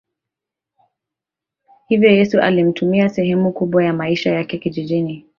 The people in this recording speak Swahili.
Hivyo Yesu alitumia sehemu kubwa ya maisha yake kijijini